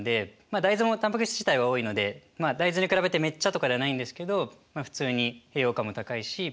大豆もたんぱく質自体は多いのでまあ大豆に比べてめっちゃとかではないんですけど普通に栄養価も高いし。